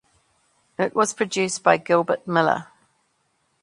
It was produced by Gilbert Miller.